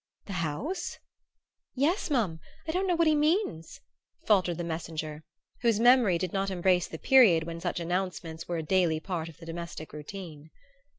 "The House?" "Yes, m'm. I don't know what he means," faltered the messenger, whose memory did not embrace the period when such announcements were a daily part of the domestic routine.